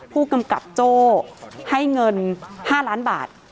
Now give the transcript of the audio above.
ผู้กำกับโจ้ให้เงิน๕ล้านบาท